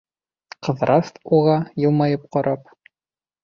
Ҡыҙырас уға, йылмайып ҡарап: